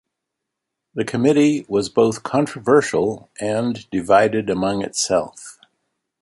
The committee was both controversial and divided among itself.